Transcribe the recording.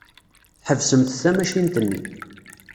Tḥebsemt tamacint-nni.